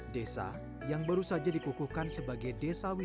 desa yang baru saja dikukuhkan sebagai desa yang berbeda